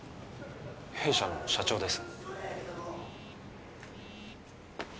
弊社の社長です